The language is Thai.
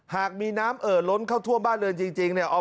หากมีน้ำเอ่อล้นเข้าท่วมบ้านเรือนจริงเนี่ย